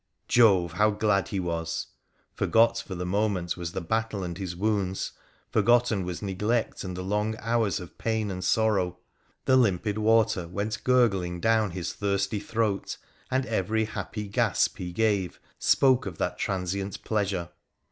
Jove ! how glad he was ! Forgot for the moment was the battle and his wounds, forgotten was neglect and the long hours of pain and sorrow ! The limpid water went gurgling down his thirsty throat, and every happy gasp he gave spoke 172 WONDERFUL ADVENTURES OF of that transient pleasure.